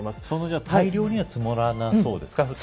そんな大量には積もらなそうですか。